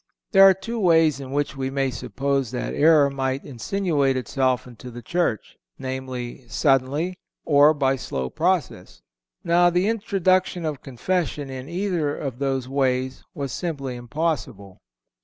There are two ways in which we may suppose that error might insinuate itself into the Church, viz.: suddenly, or by slow process. Now, the introduction of Confession in either of those ways was simply impossible.